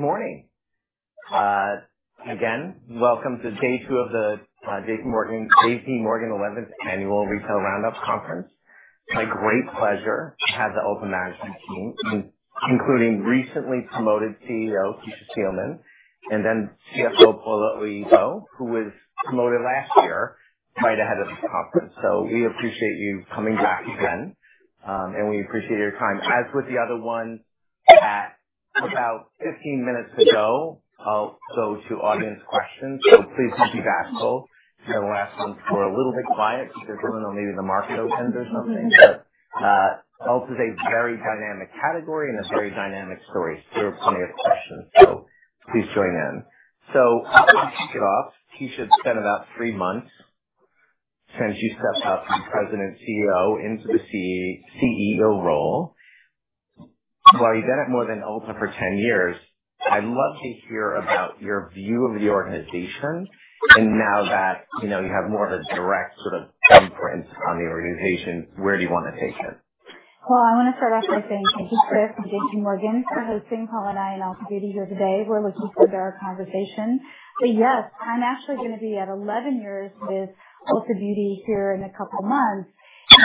Great. Good morning. Again, welcome to day two of the J.P. Morgan 11th Annual Retail Roundup Conference. It's my great pleasure to have the Ulta management team, including recently promoted CEO Kecia Steelman, and then CFO Paula Oyibo, who was promoted last year right ahead of this conference. We appreciate you coming back again, and we appreciate your time. As with the other ones, at about 15 minutes ago, I'll go to audience questions. Please don't be bashful. The last ones were a little bit quiet because someone else needed a marketing attendant or something. Ulta is a very dynamic category and a very dynamic story, so there are plenty of questions. Please join in. To kick it off, Kecia, it's been about three months since you stepped up from President and CEO into the CEO role. While you've been at more than Ulta for 10 years, I'd love to hear about your view of the organization. Now that you have more of a direct sort of inference on the organization, where do you want to take it? I want to start off by saying thank you, Chris, and J.P. Morgan for hosting Paula and I and Ulta Beauty here today. We're looking forward to our conversation. Yes, I'm actually going to be at 11 years with Ulta Beauty here in a couple of months.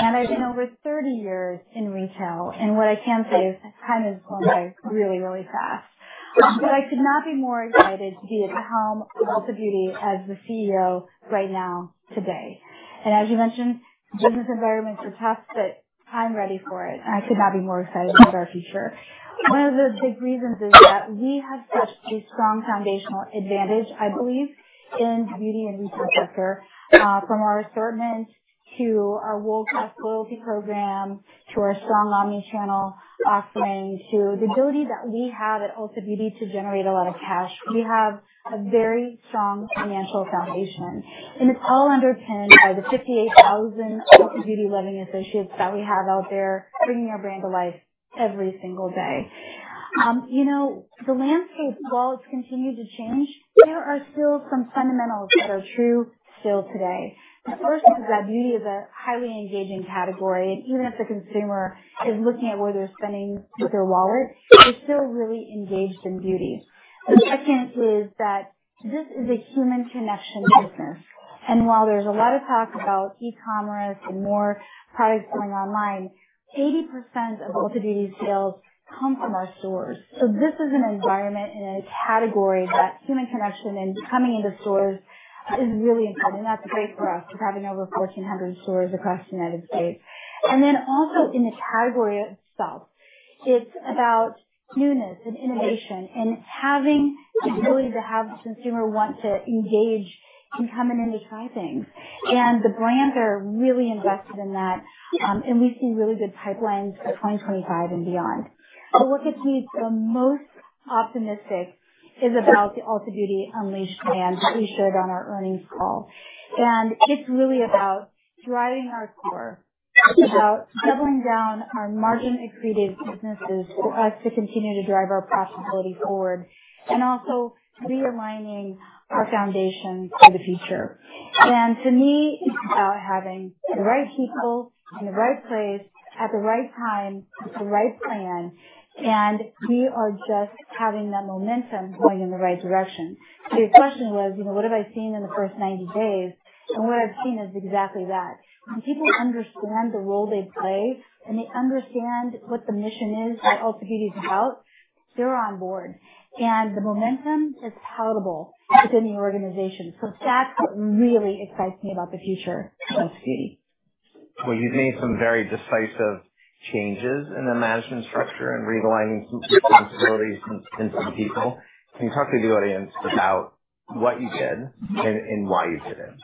I've been over 30 years in retail. What I can say is time is going by really, really fast. I could not be more excited to be at the helm of Ulta Beauty as the CEO right now today. As you mentioned, business environments are tough, but I'm ready for it. I could not be more excited about our future. One of the big reasons is that we have such a strong foundational advantage, I believe, in the beauty and retail sector, from our assortment to our world-class loyalty program to our strong omnichannel offering to the ability that we have at Ulta Beauty to generate a lot of cash. We have a very strong financial foundation. It is all underpinned by the 58,000 Ulta Beauty-loving associates that we have out there bringing our brand to life every single day. The landscape, while it has continued to change, there are still some fundamentals that are true still today. The first is that beauty is a highly engaging category. Even if the consumer is looking at where they are spending with their wallet, they are still really engaged in beauty. The second is that this is a human connection business. While there's a lot of talk about e-commerce and more products going online, 80% of Ulta Beauty's sales come from our stores. This is an environment and a category that human connection and coming into stores is really important. That's great for us because we're having over 1,400 stores across the United States. Also in the category itself, it's about newness and innovation and having the ability to have the consumer want to engage and come in and try things. The brands are really invested in that. We see really good pipelines for 2025 and beyond. What gets me the most optimistic is about the Ulta Beauty Unleashed plan that we shared on our earnings call. It is really about driving our core, about doubling down our margin-accretive businesses for us to continue to drive our profitability forward, and also realigning our foundation for the future. To me, it is about having the right people in the right place at the right time with the right plan. We are just having that momentum going in the right direction. Your question was, what have I seen in the first 90 days? What I have seen is exactly that. When people understand the role they play and they understand what the mission is that Ulta Beauty is about, they are on board. The momentum is palatable within the organization. That is what really excites me about the future of Ulta Beauty. You have made some very decisive changes in the management structure and realigning some responsibilities in some people. Can you talk to the audience about what you did and why you did it?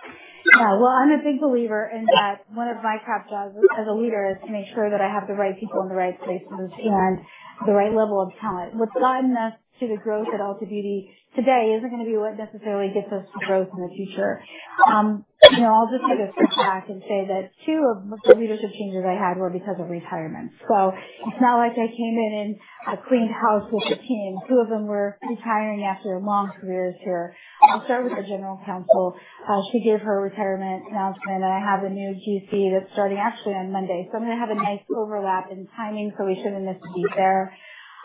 Yeah. I'm a big believer in that one of my top jaws as a leader is to make sure that I have the right people in the right places and the right level of talent. What's gotten us to the growth at Ulta Beauty today isn't going to be what necessarily gets us to growth in the future. I’ll just take a step back and say that two of the leadership changes I had were because of retirement. It's not like I came in and I cleaned house with the team. Two of them were retiring after long careers here. I'll start with the General Counsel. She gave her retirement announcement. I have a new GC that's starting actually on Monday. I'm going to have a nice overlap in timing so we shouldn't miss a beat there.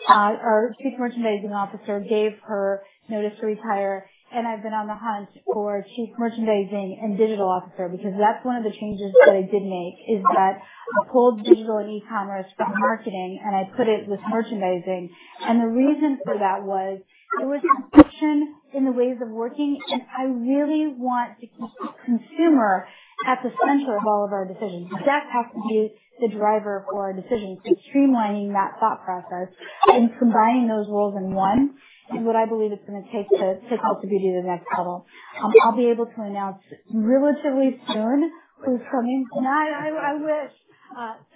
Our Chief Merchandising Officer gave her notice to retire. I've been on the hunt for chief merchandising and digital officer because that's one of the changes that I did make is that I pulled digital and e-commerce from marketing and I put it with merchandising. The reason for that was it was friction in the ways of working. I really want to keep the consumer at the center of all of our decisions. That has to be the driver for our decisions. Streamlining that thought process and combining those roles in one is what I believe is going to take Ulta Beauty to the next level. I'll be able to announce relatively soon who's coming. I wish.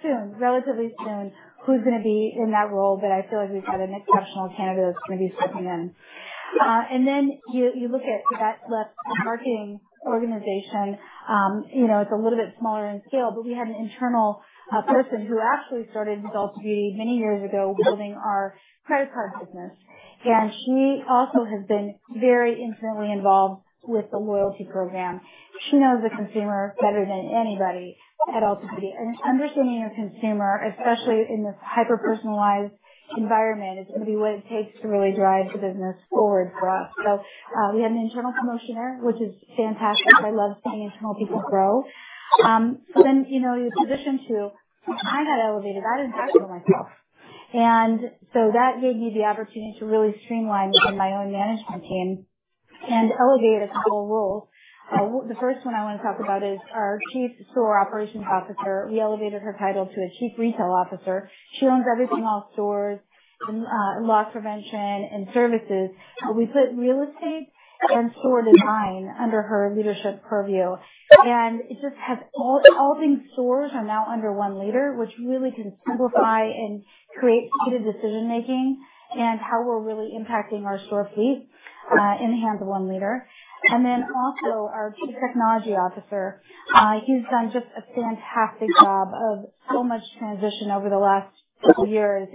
Soon, relatively soon, who's going to be in that role. I feel like we've got an exceptional candidate that's going to be stepping in. Then you look at that left marketing organization. It's a little bit smaller in scale, but we had an internal person who actually started with Ulta Beauty many years ago building our credit card business. She also has been very intimately involved with the loyalty program. She knows the consumer better than anybody at Ulta Beauty. Understanding your consumer, especially in this hyper-personalized environment, is going to be what it takes to really drive the business forward for us. We had an internal promotion there, which is fantastic. I love seeing internal people grow. You position to, I got elevated. I didn't talk to myself. That gave me the opportunity to really streamline within my own management team and elevate a couple of roles. The first one I want to talk about is our Chief Store Operations Officer. We elevated her title to a Chief Retail Officer. She owns everything off stores, loss prevention, and services. We put real estate and store design under her leadership purview. It just has all things stores are now under one leader, which really can simplify and create speed of decision-making and how we're really impacting our store fleet in the hands of one leader. Also, our Chief Technology Officer, he's done just a fantastic job of so much transition over the last couple of years.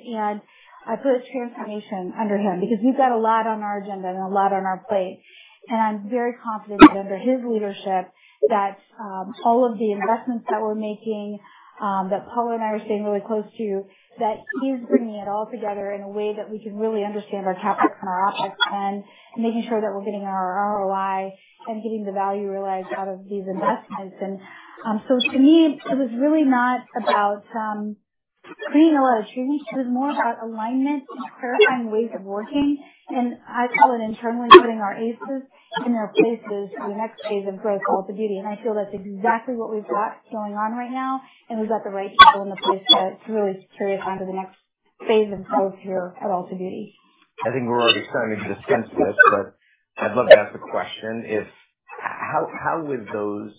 I put transformation under him because we've got a lot on our agenda and a lot on our plate. I'm very confident that under his leadership, all of the investments that we're making, that Paula and I were staying really close to, that he's bringing it all together in a way that we can really understand our tactics and our OpEx and making sure that we're getting our ROI and getting the value realized out of these investments. To me, it was really not about creating a lot of change. It was more about alignment and clarifying ways of working. I call it internally putting our aces in their places for the next phase of growth at Ulta Beauty. I feel that's exactly what we've got going on right now. We've got the right people in the place to really carry us on to the next phase of growth here at Ulta Beauty. I think we're already starting to get a sense of this, but I'd love to ask a question. How would those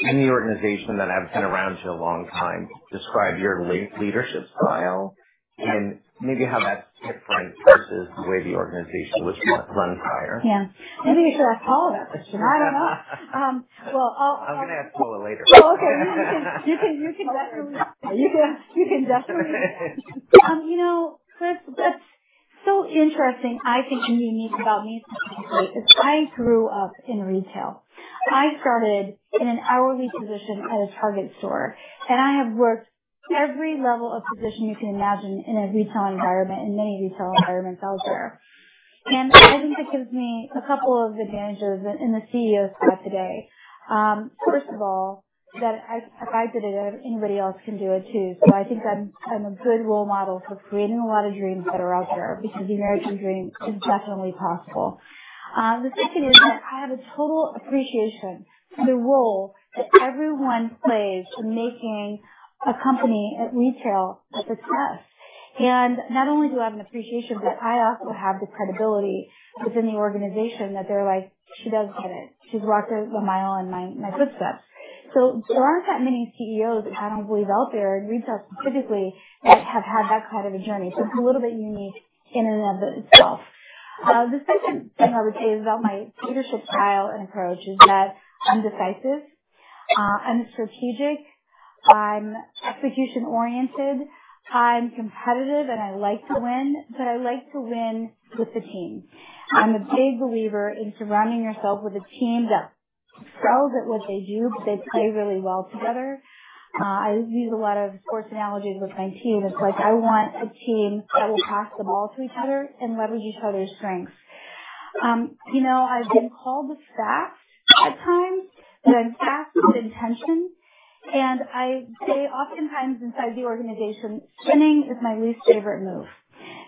in the organization that have been around for a long time describe your leadership style and maybe how that's different versus the way the organization was run prior? Yeah. Maybe you should ask Paula that question. I don't know. I'll. I'm going to ask Paula later. Oh, okay. You can definitely. You can definitely. You know, Chris, what's so interesting, I think, and unique about me specifically is I grew up in retail. I started in an hourly position at a Target store. I have worked every level of position you can imagine in a retail environment, in many retail environments out there. I think that gives me a couple of advantages in the CEO spot today. First of all, that if I did it, anybody else can do it too. I think I'm a good role model for creating a lot of dreams that are out there because the American dream is definitely possible. The second is that I have a total appreciation for the role that everyone plays in making a company at retail a success. Not only do I have an appreciation, but I also have the credibility within the organization that they're like, "She does get it. She's walked the mile in my footsteps." There aren't that many CEOs, if I don't believe, out there in retail specifically that have had that kind of a journey. It's a little bit unique in and of itself. The second thing I would say is about my leadership style and approach is that I'm decisive. I'm strategic. I'm execution-oriented. I'm competitive, and I like to win, but I like to win with the team. I'm a big believer in surrounding yourself with a team that excels at what they do, but they play really well together. I use a lot of sports analogies with my team. It's like I want a team that will pass the ball to each other and leverage each other's strengths. I've been called the fast at times, but I'm fast with intention. I say oftentimes inside the organization, spinning is my least favorite move.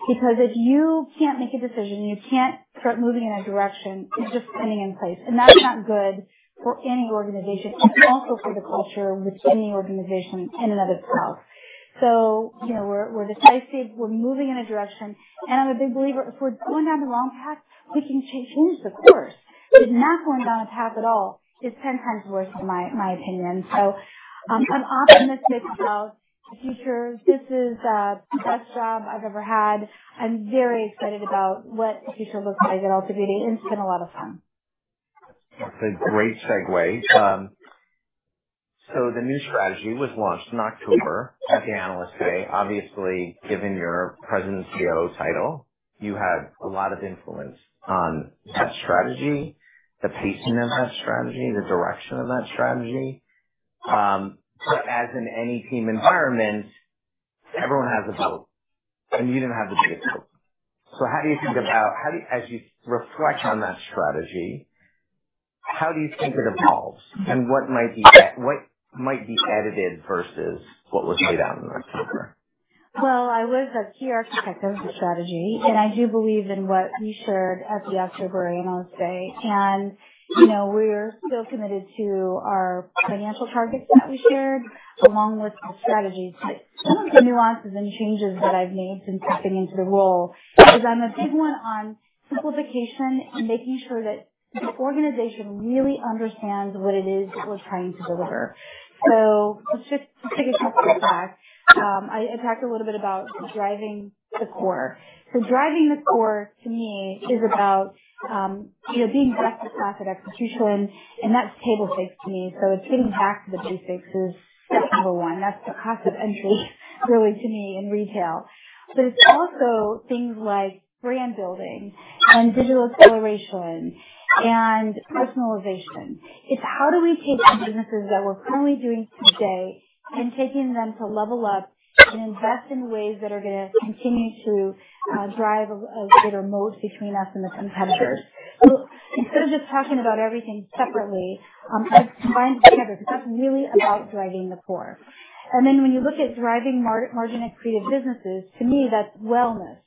Because if you can't make a decision, you can't start moving in a direction, you're just spinning in place. That's not good for any organization and also for the culture within the organization in and of itself. We're decisive. We're moving in a direction. I'm a big believer if we're going down the wrong path, we can change the course. If we're not going down a path at all, it's 10x worse, in my opinion. I'm optimistic about the future. This is the best job I've ever had. I'm very excited about what the future looks like at Ulta Beauty and spend a lot of fun. That's a great segue. The new strategy was launched in October at the Analyst Day. Obviously, given your President and CEO title, you had a lot of influence on that strategy, the pacing of that strategy, the direction of that strategy. As in any team environment, everyone has a vote. You didn't have the biggest vote. How do you think about, as you reflect on that strategy, how do you think it evolves? What might be edited versus what was laid out in October? I was a key architect of the strategy. I do believe in what you shared at the October Analyst Day. We are still committed to our financial targets that we shared along with the strategy. Some of the nuances and changes that I've made since stepping into the role is I'm a big one on simplification and making sure that the organization really understands what it is we're trying to deliver. Let's just take a couple of facts. I talked a little bit about driving the core. Driving the core, to me, is about being best in class at execution. That's table stakes to me. Getting back to the basics is step number one. That's the cost of entry, really, to me in retail. It is also things like brand building and digital acceleration and personalization. It's how do we take the businesses that we're currently doing today and taking them to level up and invest in ways that are going to continue to drive a greater moat between us and the competitors. Instead of just talking about everything separately, I've combined it together because that's really about driving the core. When you look at driving margin-accretive businesses, to me, that's wellness.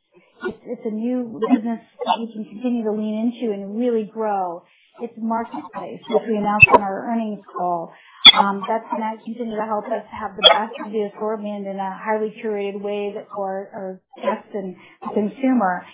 It's a new business that we can continue to lean into and really grow. It's Marketplace, which we announced on our earnings call. That's going to continue to help us have the best to be a store brand in a highly curated way for our guests and consumer.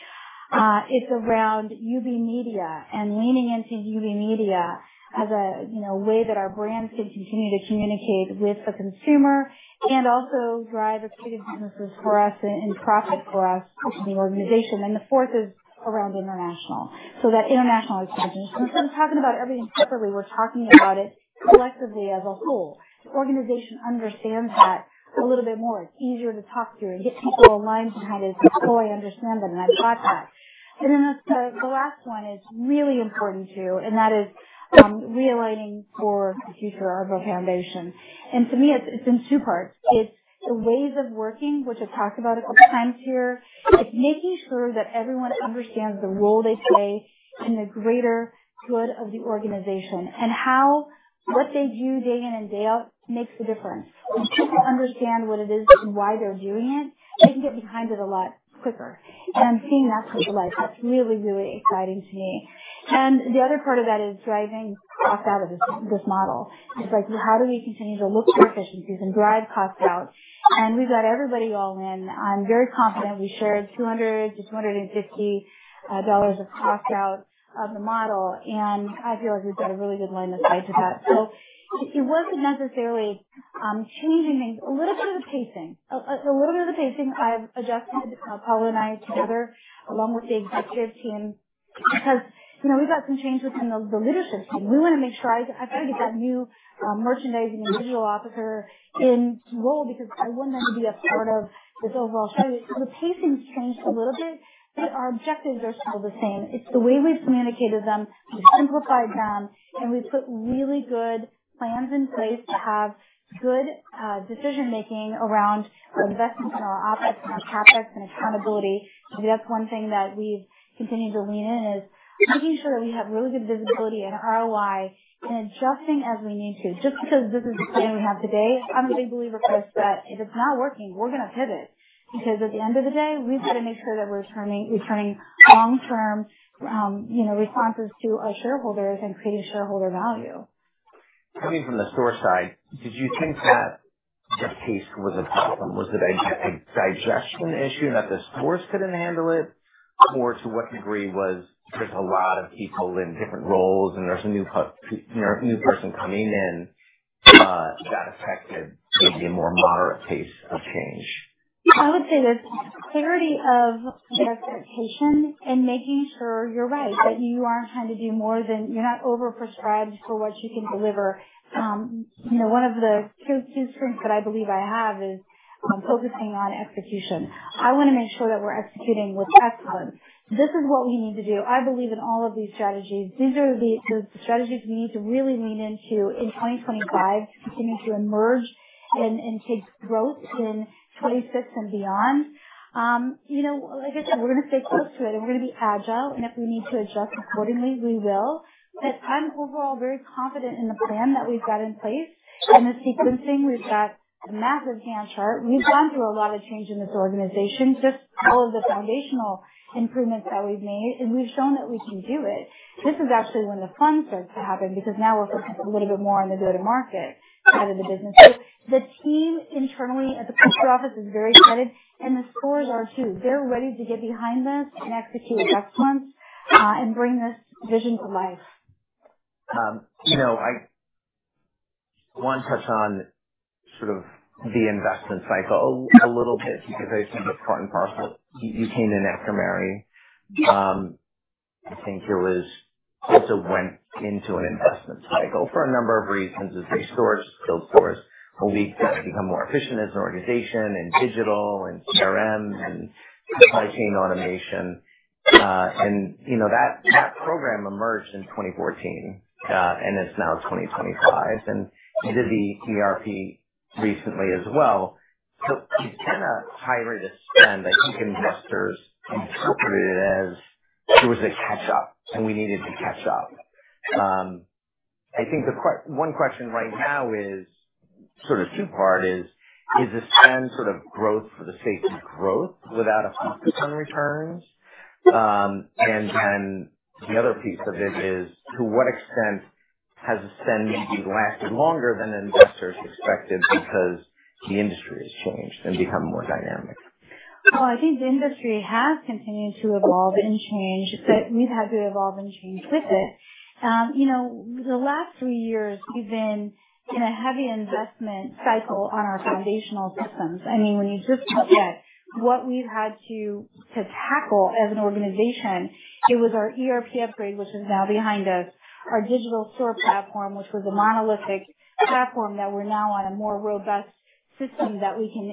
It's around UB Media and leaning into UB Media as a way that our brands can continue to communicate with the consumer and also drive accretive businesses for us and profit for us in the organization. The fourth is around international. That international expansion. Instead of talking about everything separately, we're talking about it collectively as a whole. The organization understands that a little bit more. It's easier to talk through and get people aligned behind it. Oh, I understand that. I've got that. The last one is really important too. That is realigning for the future of the foundation. To me, it's in two parts. It's the ways of working, which I've talked about a couple of times here. It's making sure that everyone understands the role they play in the greater good of the organization. What they do day in and day out makes a difference. When people understand what it is and why they're doing it, they can get behind it a lot quicker. I'm seeing that come to life. That's really, really exciting to me. The other part of that is driving cost out of this model. It's like, how do we continue to look for efficiencies and drive cost out? We've got everybody all in. I'm very confident we shared $200-$250 of cost out of the model. I feel like we've got a really good line of sight to that. It wasn't necessarily changing things. A little bit of the pacing. A little bit of the pacing I've adjusted, Paula and I, together along with the executive team. We've got some change within the leadership team. We want to make sure I've got to get that new merchandising and digital officer in role because I want them to be a part of this overall strategy. The pacing's changed a little bit, but our objectives are still the same. It's the way we've communicated them. We've simplified them. We've put really good plans in place to have good decision-making around our investments and our OpEx and our CapEx and accountability. Maybe that's one thing that we've continued to lean in is making sure that we have really good visibility and ROI and adjusting as we need to. Just because this is the plan we have today, I'm a big believer, Chris, that if it's not working, we're going to pivot. At the end of the day, we've got to make sure that we're returning long-term responses to our shareholders and creating shareholder value. Coming from the store side, did you think that just taste was a problem? Was it a digestion issue that the stores couldn't handle it? To what degree was there a lot of people in different roles and there's a new person coming in that affected maybe a more moderate pace of change? I would say there's clarity of the expectation and making sure you're right, that you aren't trying to do more than you're not overprescribed for what you can deliver. One of the go-to strengths that I believe I have is focusing on execution. I want to make sure that we're executing with excellence. This is what we need to do. I believe in all of these strategies. These are the strategies we need to really lean into in 2025 to continue to emerge and take growth in 2026 and beyond. Like I said, we're going to stay close to it. We're going to be agile. If we need to adjust accordingly, we will. I'm overall very confident in the plan that we've got in place. The sequencing, we've got a massive Gantt chart. We've gone through a lot of change in this organization, just all of the foundational improvements that we've made. We've shown that we can do it. This is actually when the fun starts to happen because now we're focused a little bit more on the go-to-market side of the business. The team internally at the culture office is very excited. The stores are too. They're ready to get behind us and execute excellence and bring this vision to life. You know, I want to touch on sort of the investment cycle a little bit because I think it's part and parcel. You came in after Mary. I think it was also went into an investment cycle for a number of reasons. It was big stores, it was field stores. We've got to become more efficient as an organization in digital and CRM and supply chain automation. That program emerged in 2014. It is now 2025. You did the ERP recently as well. It is kind of high rate of spend. I think investors interpreted it as there was a catch-up and we needed to catch up. I think one question right now is sort of two-part is, is the spend sort of growth for the sake of growth without a focus on returns? The other piece of it is, to what extent has the spend maybe lasted longer than investors expected because the industry has changed and become more dynamic? I think the industry has continued to evolve and change, but we've had to evolve and change with it. You know, the last three years, we've been in a heavy investment cycle on our foundational systems. I mean, when you just look at what we've had to tackle as an organization, it was our ERP upgrade, which is now behind us, our digital store platform, which was a monolithic platform that we're now on a more robust system that we can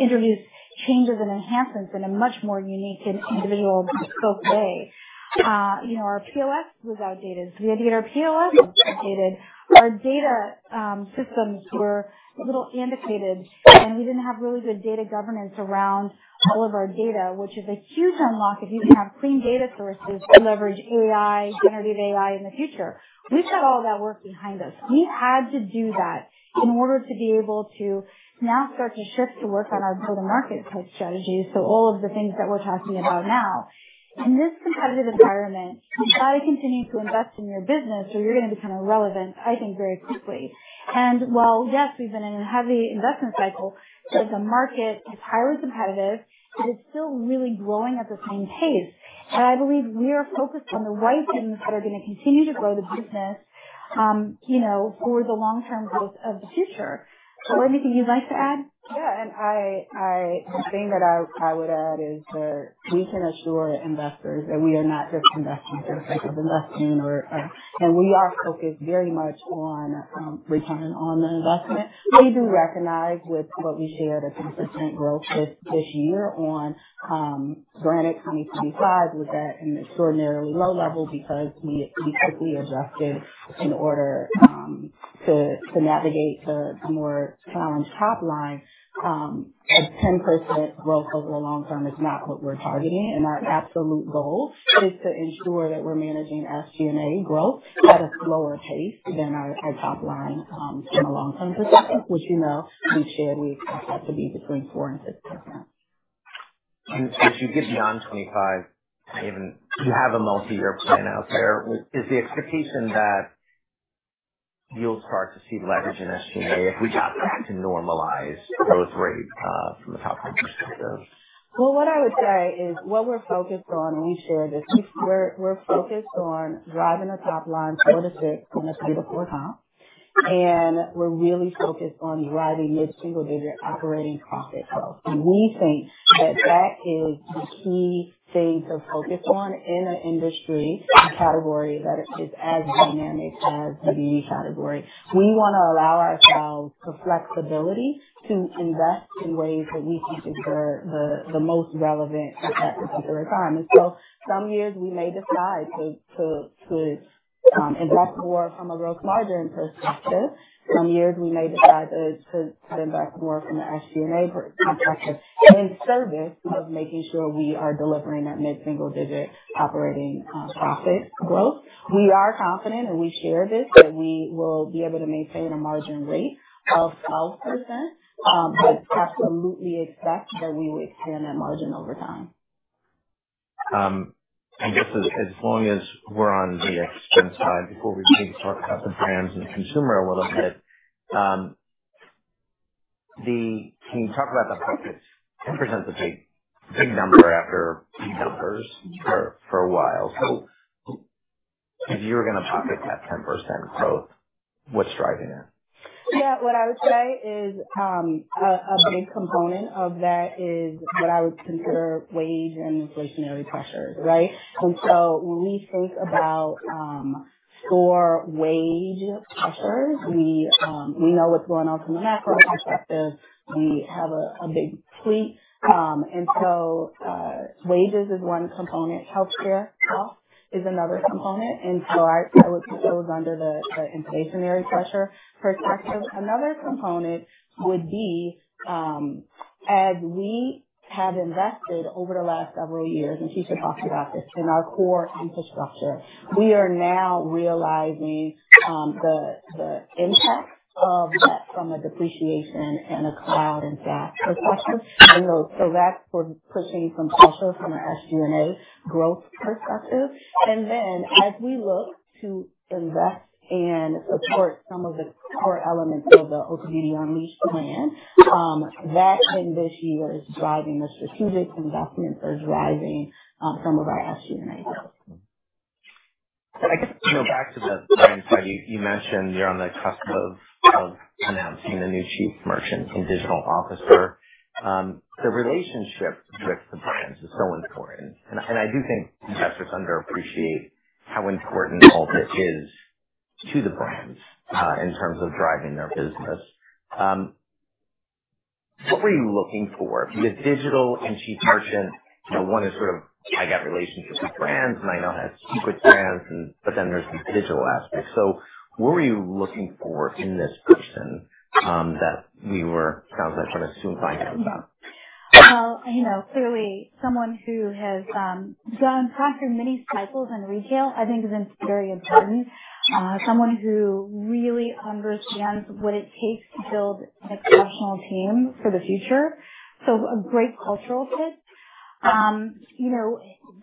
introduce changes and enhancements in a much more unique and individual bespoke way. You know, our POS was outdated. We had to get our POS updated. Our data systems were a little antiquated. We didn't have really good data governance around all of our data, which is a huge unlock if you can have clean data sources to leverage AI, generative AI in the future. We've got all that work behind us. We had to do that in order to be able to now start to shift to work on our go-to-market type strategy, so all of the things that we're talking about now. In this competitive environment, you've got to continue to invest in your business or you're going to become irrelevant, I think, very quickly. Yes, we've been in a heavy investment cycle, but the market is highly competitive. It is still really growing at the same pace. I believe we are focused on the right things that are going to continue to grow the business for the long-term growth of the future. Anything you'd like to add? Yeah. The thing that I would add is that we can assure investors that we are not just investing for the sake of investing. We are focused very much on return on the investment. We do recognize with what we shared a 10% growth this year on granted 2025. We've got an extraordinarily low level because we quickly adjusted in order to navigate to a more challenged top line. A 10% growth over the long term is not what we're targeting. Our absolute goal is to ensure that we're managing SG&A growth at a slower pace than our top line in the long-term perspective, which we've shared we expect that to be between 4% and 6%. Since you get beyond 2025, you have a multi-year plan out there. Is the expectation that you'll start to see leverage in SG&A if we got back to normalize growth rate from a top-line perspective? What I would say is what we're focused on, and we shared this, we're focused on driving a top line 4-6 on a 3-4 comp. We are really focused on driving mid-single-digit operating profit growth. We think that that is the key thing to focus on in an industry and category that is as dynamic as the beauty category. We want to allow ourselves the flexibility to invest in ways that we think is the most relevant at the particular time. Some years we may decide to invest more from a growth margin perspective. Some years we may decide to invest more from an SG&A perspective in service of making sure we are delivering that mid-single-digit operating profit growth. We are confident, and we share this, that we will be able to maintain a margin rate of 12%. Absolutely expect that we will expand that margin over time. I guess as long as we're on the expense side before we begin to talk about the brands and consumer a little bit, can you talk about the 10% is a big number after big numbers for a while. If you were going to pocket that 10% growth, what's driving it? Yeah. What I would say is a big component of that is what I would consider wage and inflationary pressures, right? When we think about store wage pressures, we know what's going on from a macro perspective. We have a big fleet. Wages is one component. Healthcare cost is another component. I would put those under the inflationary pressure perspective. Another component would be, as we have invested over the last several years, and Kecia talked about this in our core infrastructure, we are now realizing the impact of that from a depreciation and a cloud and SaaS perspective. That is pushing some pressure from an SG&A growth perspective. As we look to invest and support some of the core elements of the Ulta Beauty Unleashed plan, that in this year is driving the strategic investments or driving some of our SG&A growth. I guess back to the brand side, you mentioned you're on the cusp of announcing a new Chief Merchant and Digital Officer. The relationship with the brands is so important. I do think investors underappreciate how important Ulta Beauty is to the brands in terms of driving their business. What were you looking for? The digital and Chief Merchant, one is sort of, "I got relationships with brands and I know how to speak with brands," but then there's the digital aspect. What were you looking for in this person that we were, sounds like, going to soon find out about? Clearly, someone who has gone through many cycles in retail, I think, is very important. Someone who really understands what it takes to build an exceptional team for the future. A great cultural fit.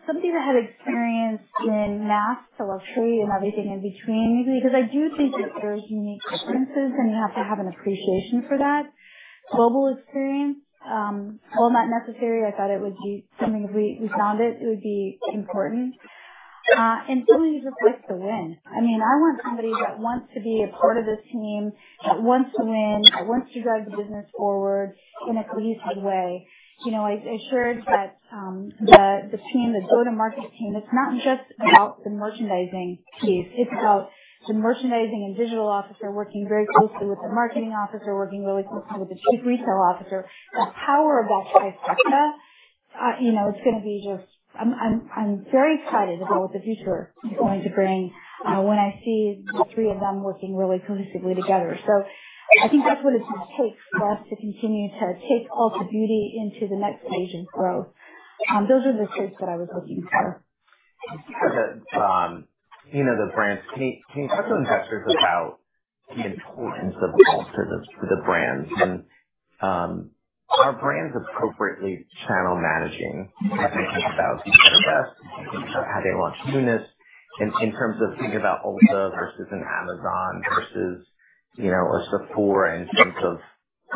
Somebody that had experience in mass to luxury and everything in between. I do think that there's unique differences and you have to have an appreciation for that. Global experience, while not necessary, I thought it would be something if we found it, it would be important. Somebody who just likes to win. I mean, I want somebody that wants to be a part of this team, that wants to win, that wants to drive the business forward in a cohesive way. I shared that the team, the go-to-market team, it's not just about the merchandising piece. It's about the merchandising and digital officer working very closely with the marketing officer, working really closely with the Chief Retail Officer. The power of that trifecta, it's going to be just I'm very excited about what the future is going to bring when I see the three of them working really cohesively together. I think that's what it's going to take for us to continue to take Ulta Beauty into the next stage of growth. Those are the traits that I was looking for. You said the brands. Can you talk to investors about the importance of Ulta Beauty to the brands? Are brands appropriately channel managing as they think about good, better, best, as they think about how they launch newness in in terms of thinking about Ulta versus an Amazon versus a Sephora in terms of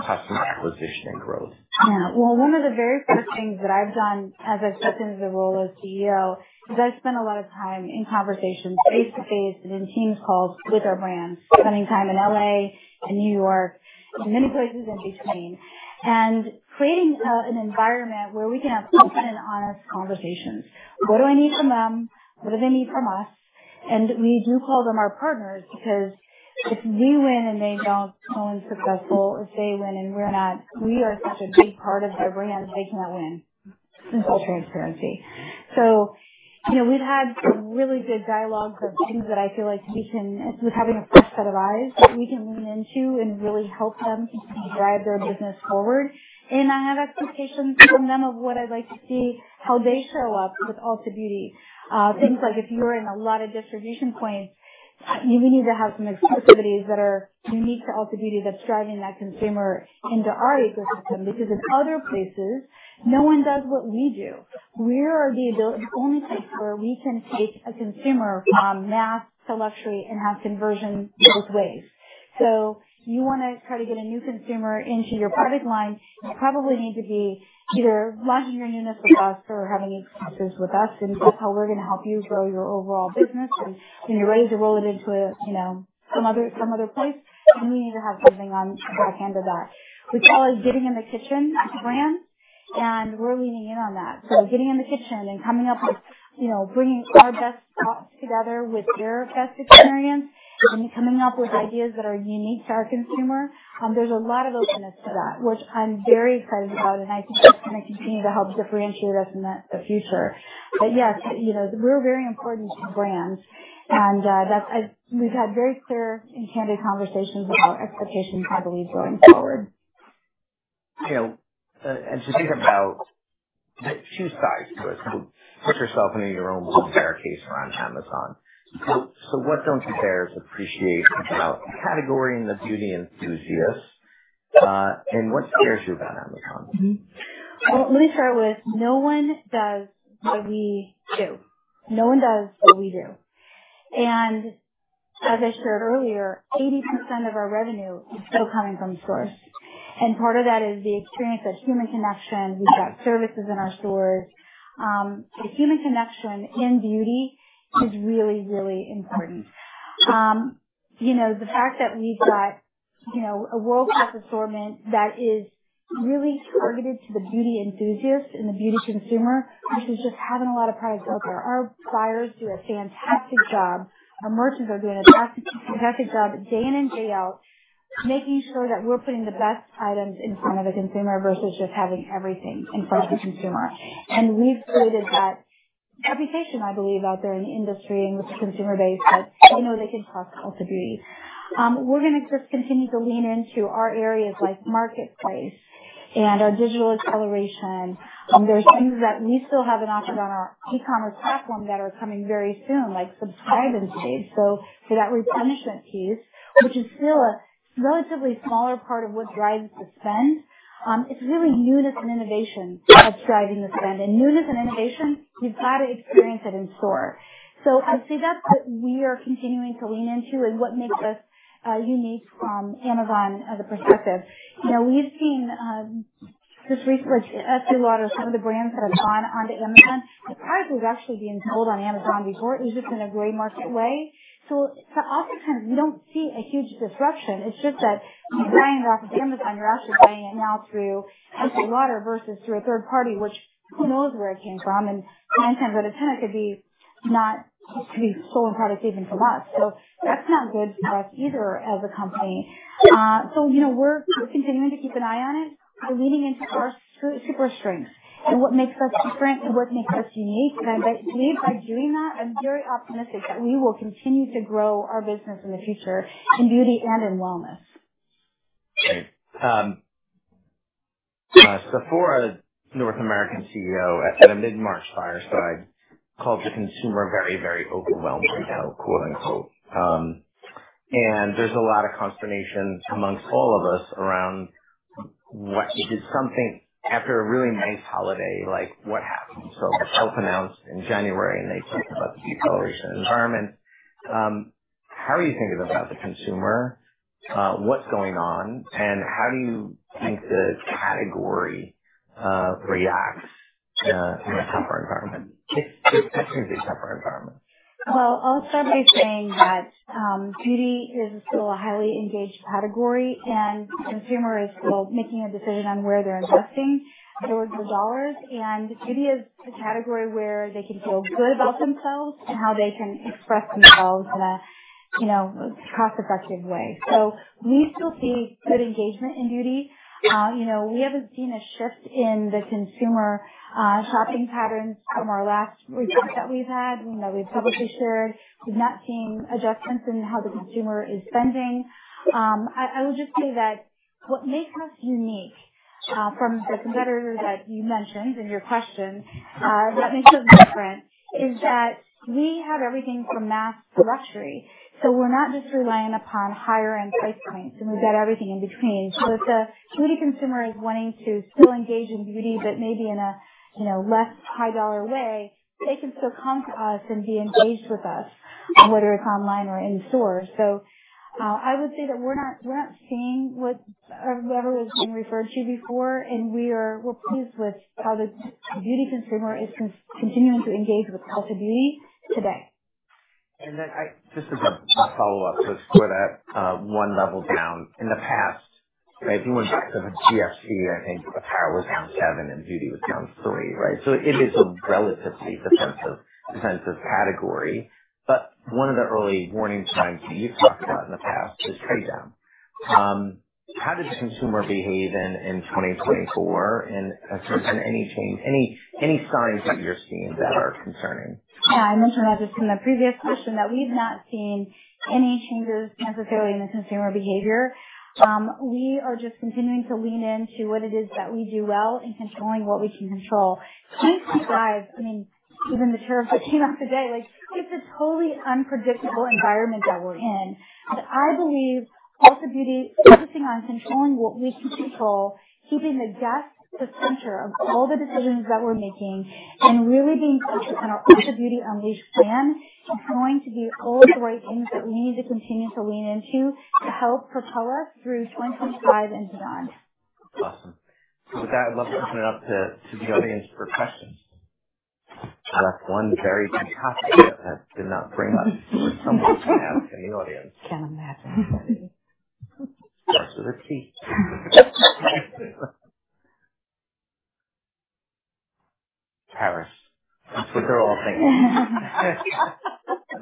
customer acquisition and growth? Yeah. One of the very first things that I've done, as I stepped into the role as CEO, is I've spent a lot of time in conversations face-to-face and in teams calls with our brands, spending time in L.A. and New York and many places in between. Creating an environment where we can have open and honest conversations. What do I need from them? What do they need from us? We do call them our partners because if we win and they don't, no one's successful. If they win and we're not, we are such a big part of their brand, they can't win. It's all transparency. We've had some really good dialogues of things that I feel like we can, with having a fresh set of eyes, lean into and really help them drive their business forward. I have expectations from them of what I'd like to see, how they show up with Ulta Beauty. Things like if you're in a lot of distribution points, we need to have some exclusivities that are unique to Ulta Beauty that's driving that consumer into our ecosystem. Because in other places, no one does what we do. We are the only place where we can take a consumer from mass to luxury and have conversion both ways. You want to try to get a new consumer into your product line, you probably need to be either launching your newness with us or having exclusives with us. That's how we're going to help you grow your overall business. When you're ready to roll it into some other place, we need to have something on the back end of that. We call it getting in the kitchen with brands. We're leaning in on that. Getting in the kitchen and coming up with bringing our best thoughts together with their best experience and coming up with ideas that are unique to our consumer. There is a lot of openness to that, which I'm very excited about. I think that's going to continue to help differentiate us in the future. Yes, we're very important to brands. We've had very clear and candid conversations about expectations, I believe, going forward. To think about the two sides, put yourself into your own box in our case around Amazon. What do you bear as appreciation about the category and the beauty enthusiasts? What scares you about Amazon? Let me start with no one does what we do. No one does what we do. As I shared earlier, 80% of our revenue is still coming from stores. Part of that is the experience of human connection. We have services in our stores. The human connection in beauty is really, really important. The fact that we have a world-class assortment that is really targeted to the beauty enthusiast and the beauty consumer, which is just having a lot of products out there. Our buyers do a fantastic job. Our merchants are doing a fantastic job day in and day out, making sure that we are putting the best items in front of the consumer versus just having everything in front of the consumer. We have created that reputation, I believe, out there in the industry and with the consumer base that they know they can trust Ulta Beauty. We are going to just continue to lean into our areas like marketplace and our digital acceleration. There are things that we still have an offer on our e-commerce platform that are coming very soon, like Subscribe and Save. For that replenishment piece, which is still a relatively smaller part of what drives the spend, it is really newness and Innovation that is driving the spend. Newness and Innovation, you have to experience it in store. I would say that is what we are continuing to lean into and what makes us unique from Amazon as a perspective. We have seen just recently, Estée Lauder, some of the brands that have gone onto Amazon, the product was actually being sold on Amazon before. It was just in a gray market way. To us, we do not see a huge disruption. It is just that you are buying it off of Amazon. You are actually buying it now through Estée Lauder versus through a third party, which who knows where it came from. Nine times out of ten, it could be, not it could be, stolen products even from us. That is not good for us either as a company. We are continuing to keep an eye on it. We are leaning into our super strengths and what makes us different and what makes us unique. I believe by doing that, I am very optimistic that we will continue to grow our business in the future in beauty and in wellness. Great. Sephora, North American CEO at a mid-March fireside, called "the consumer very, very overwhelmed right now". There is a lot of consternation amongst all of us around what did something after a really nice holiday, what happened? It was self-announced in January, and they talked about the deceleration environment. How are you thinking about the consumer? What's going on? How do you think the category reacts in a tougher environment? It's definitely a tougher environment. I'll start by saying that beauty is still a highly engaged category, and the consumer is still making a decision on where they're investing their dollars. Beauty is the category where they can feel good about themselves and how they can express themselves in a cost-effective way. We still see good engagement in beauty. We haven't seen a shift in the consumer shopping patterns from our last report that we've had that we've publicly shared. We've not seen adjustments in how the consumer is spending. I would just say that what makes us unique from the competitor that you mentioned in your question, what makes us different is that we have everything from mass to luxury. We're not just relying upon higher-end price points, and we've got everything in between. If the beauty consumer is wanting to still engage in beauty, but maybe in a less high-dollar way, they can still come to us and be engaged with us, whether it's online or in-store. I would say that we're not seeing whatever was being referred to before. We're pleased with how the beauty consumer is continuing to engage with Ulta Beauty today. Just as a follow-up, to sort of one level down, in the past, if you went back to the GFC, I think the power was down seven and beauty was down three, right? It is a relatively defensive category. One of the early warning signs that you've talked about in the past is trade down. How did the consumer behave in 2024? If there's been any change, any signs that you're seeing that are concerning? Yeah. I mentioned that just in the previous question that we've not seen any changes necessarily in the consumer behavior. We are just continuing to lean into what it is that we do well and controlling what we can control. 2025, I mean, even the tariffs that came out today, it's a totally unpredictable environment that we're in. I believe Ulta Beauty focusing on controlling what we can control, keeping the guests the center of all the decisions that we're making, and really being focused on our Ulta Beauty Unleashed plan is going to be all of the right things that we need to continue to lean into to help propel us through 2025 and beyond. Awesome. With that, I'd love to open it up to the audience for questions. We've left one very fantastic that did not bring up. Someone's going to ask in the audience. Can't imagine. Starts with a Tariffs. That's what they're all thinking.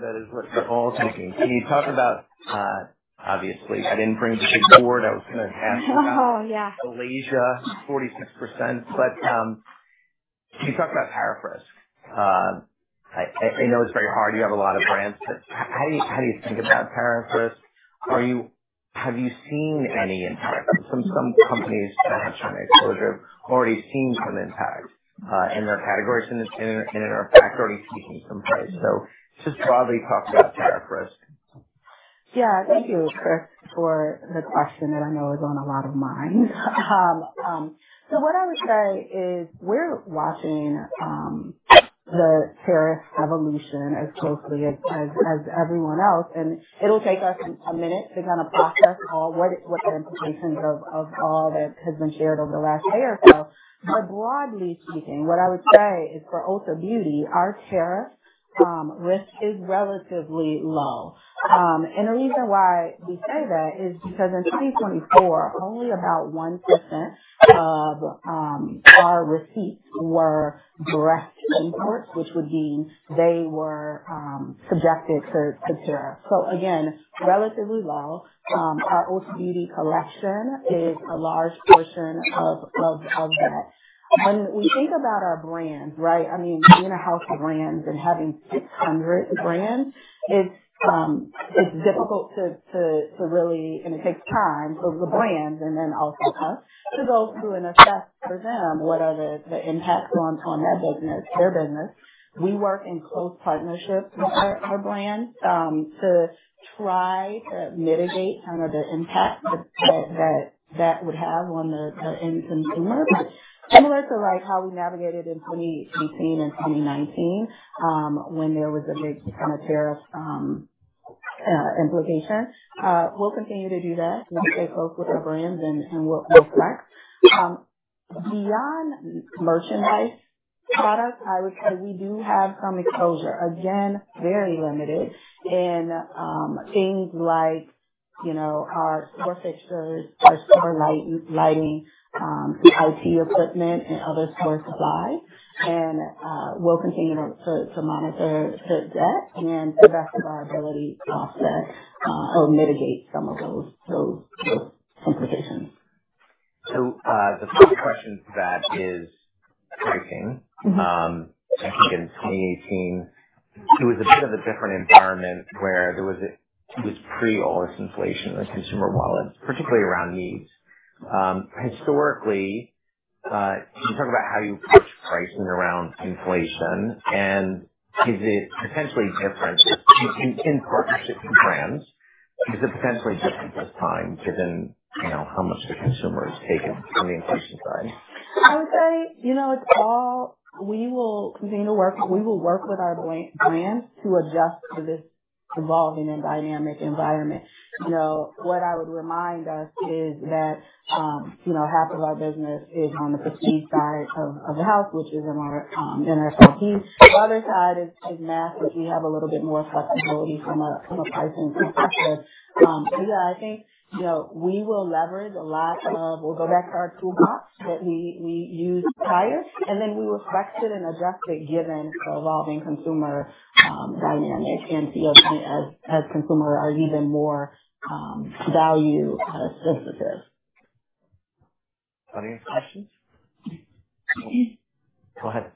That is what they're all thinking. Can you talk about, obviously, I didn't bring the big board. I was going to ask about Malaysia, 46%. Can you talk about tariff risk? I know it's very hard. You have a lot of brands. How do you think about tariff risk? Have you seen any impact? Some companies that have some exposure have already seen some impact in their categories and in our factories taking some place. Just broadly talk about tariff risk. Yeah. Thank you, Chris, for the question that I know is on a lot of minds. What I would say is we're watching the tariff evolution as closely as everyone else. It'll take us a minute to kind of process what the implications of all that has been shared over the last day or so. Broadly speaking, what I would say is for Ulta Beauty, our tariff risk is relatively low. The reason why we say that is because in 2024, only about 1% of our receipts were direct imports, which would mean they were subjected to tariff. Again, relatively low. Our Ulta Beauty Collection is a large portion of that. When we think about our brands, right, I mean, being a house of brands and having 600 brands, it's difficult to really, and it takes time for the brands and then also us to go through and assess for them what are the impacts on their business. We work in close partnerships with our brands to try to mitigate kind of the impact that that would have on the end consumer. Similar to how we navigated in 2018 and 2019 when there was a big kind of tariff implication, we'll continue to do that. We'll stay close with our brands and we'll flex. Beyond merchandise products, I would say we do have some exposure. Again, very limited in things like our store fixtures, our store lighting, IT equipment, and other store supplies. We will continue to monitor that and to the best of our ability offset or mitigate some of those implications. The first question to that is pricing. I think in 2018, it was a bit of a different environment where it was pre-all this inflation in consumer wallets, particularly around needs. Historically, can you talk about how you approach pricing around inflation? Is it potentially different in partnerships with brands? Is it potentially different this time given how much the consumer has taken from the inflation side? I would say it's all we will continue to work—we will work with our brands to adjust to this evolving and dynamic environment. What I would remind us is that half of our business is on the prestige side of the house, which is in our salons. The other side is mass, which we have a little bit more flexibility from a pricing perspective. Yeah, I think we will leverage a lot of—we'll go back to our toolbox that we used prior. We will flex it and adjust it given the evolving consumer dynamic and feel as consumers are even more value-sensitive. Any other questions? Go ahead.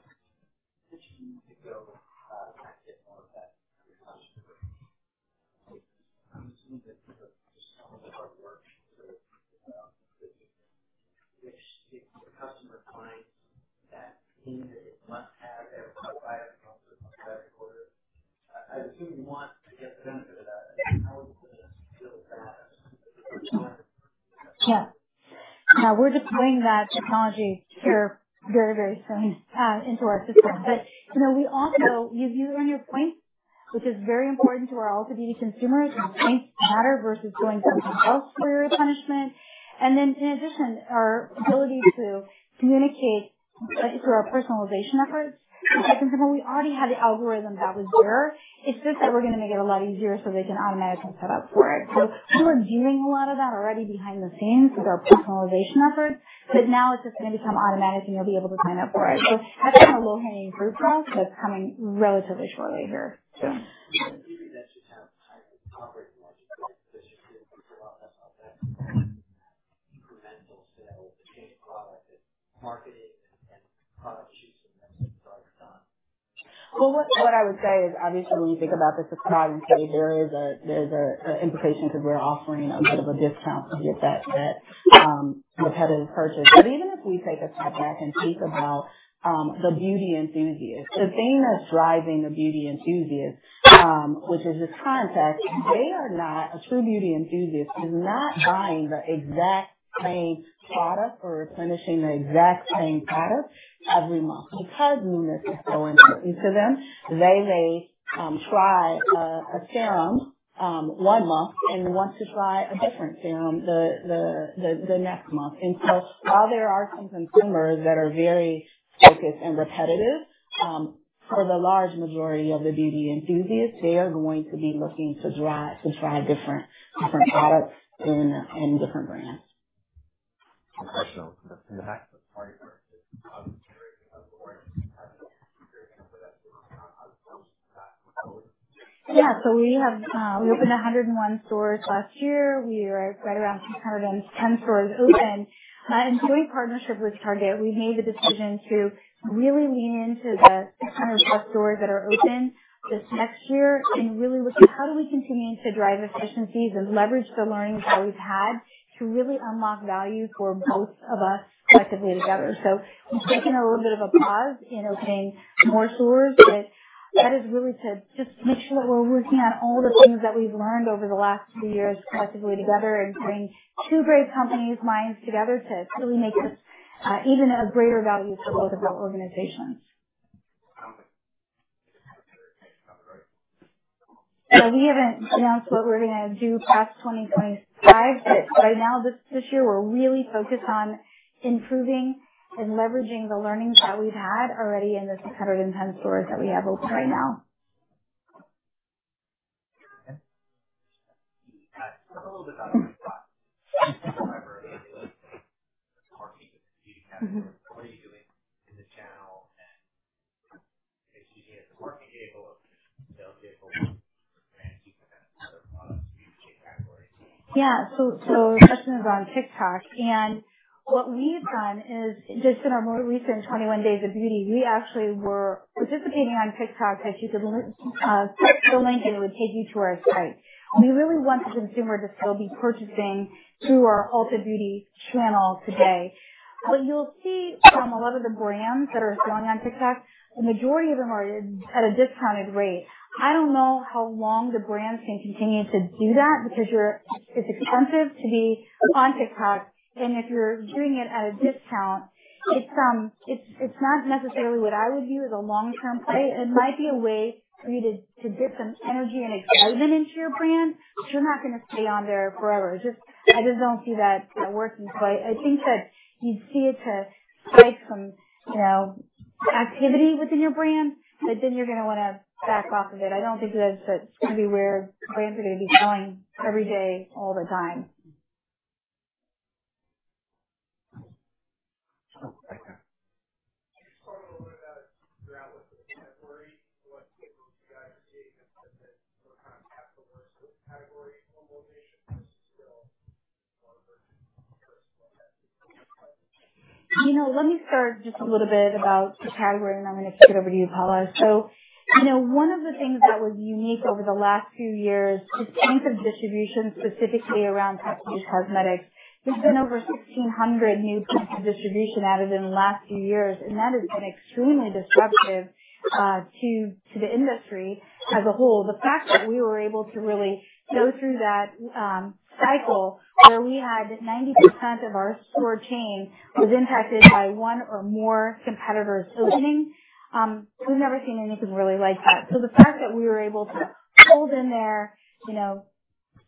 Yeah. Yeah. We're deploying that technology here very, very soon into our system. We also you earn your points, which is very important to our Ulta Beauty consumers, and points matter versus going something else for your replenishment. In addition, our ability to communicate through our personalization efforts. We already had the algorithm that was there. It's just that we're going to make it a lot easier so they can automatically set up for it. We were doing a lot of that already behind the scenes with our personalization efforts. Now it's just going to become automatic, and you'll be able to sign up for it. That's kind of low-hanging fruit for us that's coming relatively shortly here soon. What I would say is, obviously, when you think about this at the bottom page, there is an implication because we're offering a bit of a discount to get that repetitive purchase. Even if we take a step back and think about the beauty enthusiast, the thing that's driving the beauty enthusiast, which is this context, they are not a true beauty enthusiast, is not buying the exact same product or replenishing the exact same product every month. Because newness is so important to them, they may try a serum one month and want to try a different serum the next month. While there are some consumers that are very focused and repetitive, for the large majority of the beauty enthusiasts, they are going to be looking to try different products and different brands. Yeah. We opened 101 stores last year. We were right around 610 stores open. In joint partnership with Target, we made the decision to really lean into the 600+ stores that are open this next year and really look at how do we continue to drive efficiencies and leverage the learnings that we've had to really unlock value for both of us collectively together. We have taken a little bit of a pause in opening more stores, but that is really to just make sure that we're working on all the things that we've learned over the last few years collectively together and bring two great companies' minds together to really make this even a greater value for both of our organizations. We haven't announced what we're going to do past 2025, but right now this year, we're really focused on improving and leveraging the learnings that we've had already in the 610 stores that we have open right now. Yeah. The question is on TikTok. What we've done is just in our more recent 21 Days of Beauty, we actually were participating on TikTok that you could click the link, and it would take you to our site. We really want the consumer to still be purchasing through our Ulta Beauty channel today. What you'll see from a lot of the brands that are selling on TikTok, the majority of them are at a discounted rate. I don't know how long the brands can continue to do that because it's expensive to be on TikTok. If you're doing it at a discount, it's not necessarily what I would view as a long-term play. It might be a way for you to get some energy and excitement into your brand, but you're not going to stay on there forever. I just don't see that working. I think that you'd see it to spike some activity within your brand, but then you're going to want to back off of it. I don't think that's going to be where brands are going to be going every day, all the time. Let me start just a little bit about the category, and I'm going to kick it over to you, Paula. One of the things that was unique over the last few years is points of distribution, specifically around packaged cosmetics. There have been over 1,600 new points of distribution added in the last few years, and that has been extremely disruptive to the industry as a whole. The fact that we were able to really go through that cycle where we had 90% of our store chain was impacted by one or more competitors opening, we've never seen anything really like that. The fact that we were able to hold in there in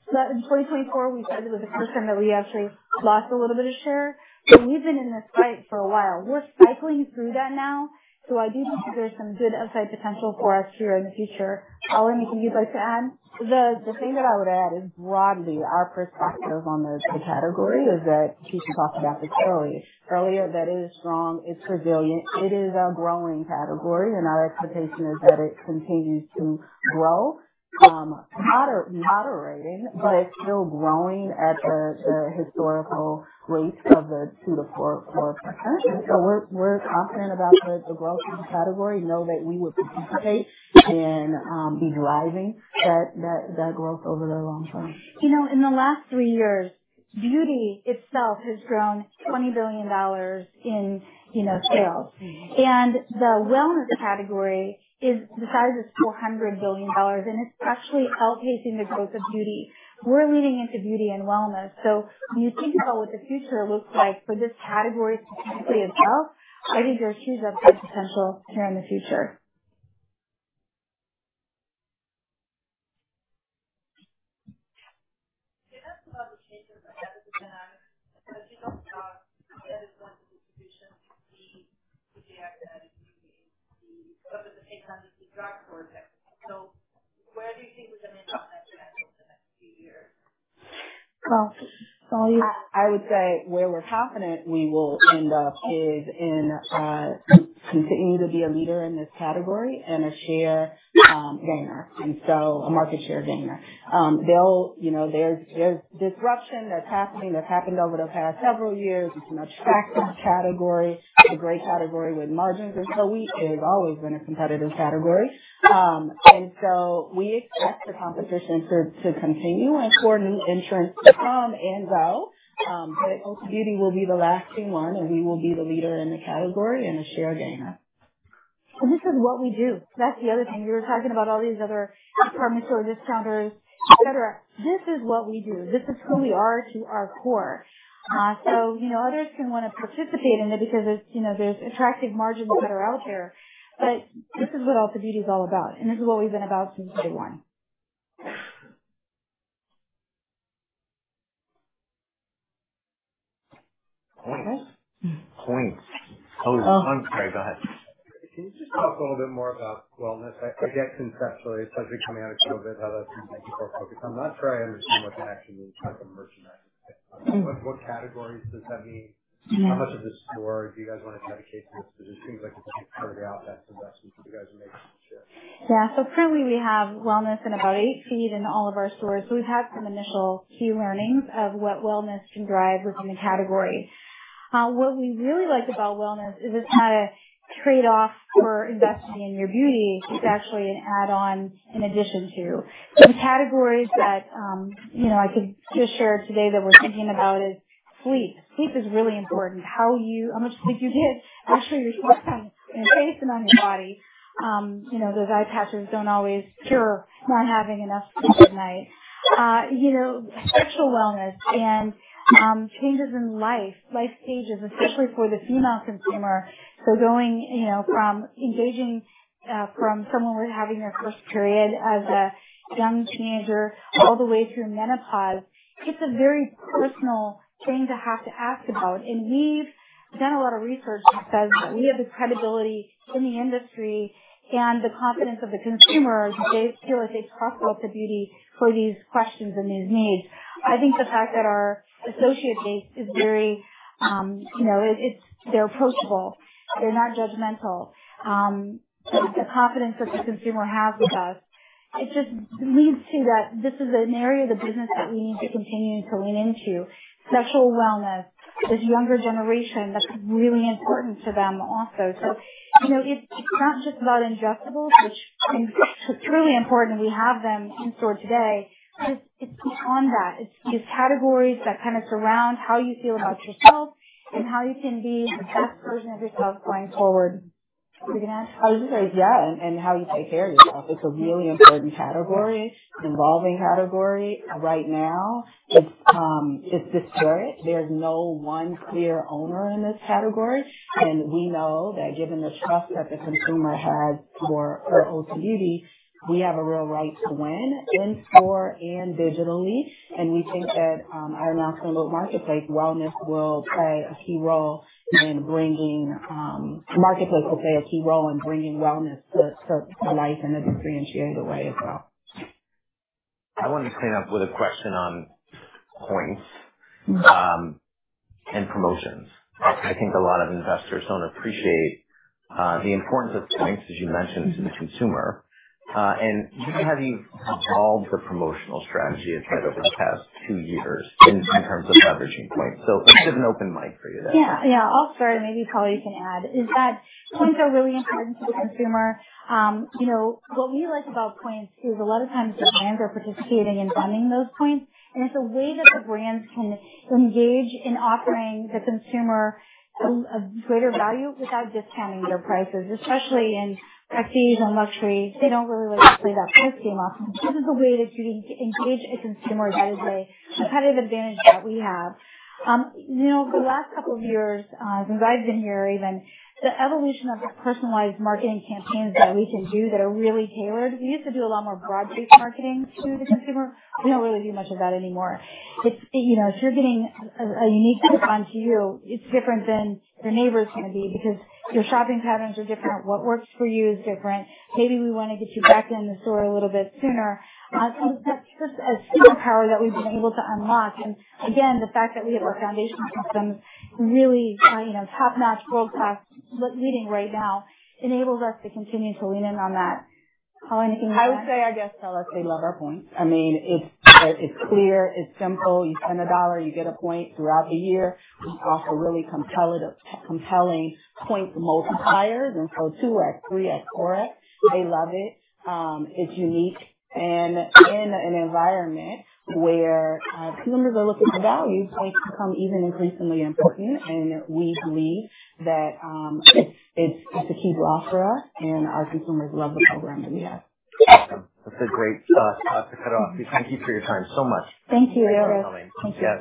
2024, we said it was the first time that we actually lost a little bit of share. We've been in this fight for a while. We're cycling through that now. I do think that there's some good upside potential for us here in the future. Paula, anything you'd like to add? The thing that I would add is broadly our perspective on the category is that Kecia talked about this earlier. That it is strong. It's resilient. It is a growing category. Our expectation is that it continues to grow. Moderating, but it's still growing at the historical rate of 2-4%. We're confident about the growth of the category. Know that we would participate and be driving that growth over the long term. In the last three years, beauty itself has grown $20 billion in sales. The wellness category is the size is $400 billion, and it's actually outpacing the growth of beauty. We're leaning into beauty and wellness. When you think about what the future looks like for this category specifically as well, I think there's huge upside potential here in the future. I would say where we're confident we will end up is in continuing to be a leader in this category and a share gainer, and so a market share gainer. There's disruption that's happening that's happened over the past several years. It's an attractive category. It's a great category with margins. It has always been a competitive category. We expect the competition to continue and for new entrants to come and go. Ulta Beauty will be the lasting one, and we will be the leader in the category and a share gainer. This is what we do. That's the other thing. We were talking about all these other department store discounters, etc. This is what we do. This is who we are to our core. Others can want to participate in it because there's attractive margins that are out there. This is what Ulta Beauty is all about. This is what we've been about since day one. Points. I was—I'm sorry. Go ahead. Can you just talk a little bit more about wellness? I guess conceptually, especially coming out of COVID, how that's been making more focus. I'm not sure I understand what the action means for merchandise. What categories does that mean? How much of the store do you guys want to dedicate to this? Because it seems like it's a fairly out-of-best investment that you guys are making this year. Yeah. Currently, we have wellness in about eight feet in all of our stores. We have had some initial key learnings of what wellness can drive within the category. What we really like about wellness is it's not a trade-off for investing in your beauty. It's actually an add-on in addition to. Some categories that I could just share today that we're thinking about is sleep. Sleep is really important. How much sleep you get after you're slept and your face and on your body. Those eye patches do not always cure not having enough sleep at night. Sexual wellness and changes in life stages, especially for the female consumer. Going from engaging from someone having their first period as a young teenager all the way through menopause, it's a very personal thing to have to ask about. We have done a lot of research that says that we have the credibility in the industry and the confidence of the consumers that they feel that they trust Ulta Beauty for these questions and these needs. I think the fact that our associate base is very, they're approachable. They're not judgmental. The confidence that the consumer has with us, it just leads to that this is an area of the business that we need to continue to lean into. Sexual wellness, this younger generation, that's really important to them also. It is not just about ingestibles, which is truly important, and we have them in store today. It is beyond that. It is these categories that kind of surround how you feel about yourself and how you can be the best version of yourself going forward. Were you going to ask? I was going to say, yeah, and how you take care of yourself. It's a really important category, evolving category. Right now, it's disparate. There's no one clear owner in this category. We know that given the trust that the consumer has for Ulta Beauty, we have a real right to win in store and digitally. We think that our announcement about marketplace wellness will play a key role in bringing marketplace will play a key role in bringing wellness to life in a differentiated way as well. I wanted to clean up with a question on points and promotions. I think a lot of investors don't appreciate the importance of points, as you mentioned, to the consumer. You have evolved the promotional strategy, as I said, over the past two years in terms of leveraging points. If you have an open mic for you there. Yeah. Yeah. I'll start, and maybe Paula can add. Is that points are really important to the consumer. What we like about points is a lot of times the brands are participating in funding those points. And it's a way that the brands can engage in offering the consumer a greater value without discounting their prices, especially in prestige and luxury. They don't really like to play that price game often. This is a way that you engage a consumer. That is a competitive advantage that we have. The last couple of years, since I've been here even, the evolution of the personalized marketing campaigns that we can do that are really tailored. We used to do a lot more broad-based marketing to the consumer. We don't really do much of that anymore. If you're getting a unique coupon to you, it's different than your neighbor's going to be because your shopping patterns are different. What works for you is different. Maybe we want to get you back in the store a little bit sooner. That is just a superpower that we've been able to unlock. Again, the fact that we have our foundation systems, really top-notch, world-class, leading right now, enables us to continue to lean in on that. Paula, anything you'd like? I would say our guests tell us they love our points. I mean, it's clear. It's simple. You spend a dollar, you get a point throughout the year. We offer really compelling point multipliers. 2x, 3x, 4x, they love it. It's unique. In an environment where consumers are looking for value, points become even increasingly important. We believe that it's a key draw for us, and our consumers love the program that we have. Awesome. That's a great thought to cut off. Thank you for your time so much. Thank you. Thank you.